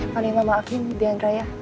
kalo yang mau maafin dianera ya